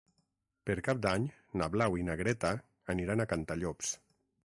Per Cap d'Any na Blau i na Greta aniran a Cantallops.